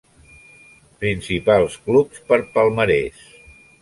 Principals clubs per palmarès.